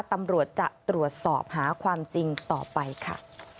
ตำรวจจะตรวจสอบหาความจริงต่อไปค่ะ